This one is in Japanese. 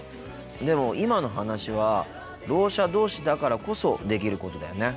でも今の話はろう者同士だからこそできることだよね。